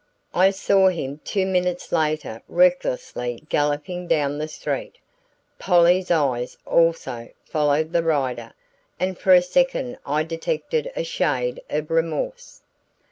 I saw him two minutes later recklessly galloping down the street. Polly's eyes, also, followed the rider, and for a second I detected a shade of remorse.